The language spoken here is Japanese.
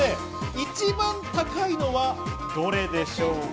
この中で一番高いのはどれでしょうか？